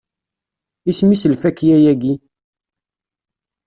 Isem-is lfakya-agi?